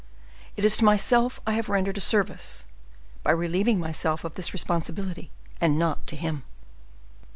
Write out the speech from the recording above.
It is to myself I have rendered a service, by relieving myself of this responsibility, and not to him."